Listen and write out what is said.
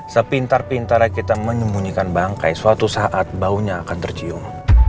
sepintar pintarnya kita menyembunyikan bangkai suatu saat baunya akan tercium